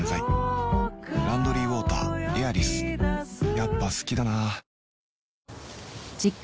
やっぱ好きだな